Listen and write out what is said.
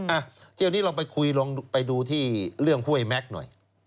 อ่ะเที่ยวนี้เราไปคุยลองไปดูที่เรื่องห้วยแม็กซ์หน่อย